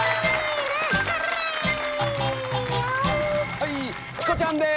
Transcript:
はいチコちゃんです。